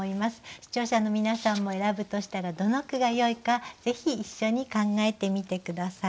視聴者の皆さんも選ぶとしたらどの句がよいかぜひ一緒に考えてみて下さい。